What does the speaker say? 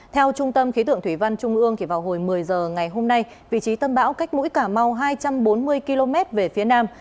theo trung tâm khí tượng thủy văn trung ương vào hồi một mươi giờ ngày hôm nay vị trí tâm bão cách mũi cà mau hai trăm bốn mươi km về phía nam